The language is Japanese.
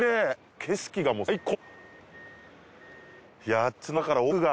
景色がもう最高！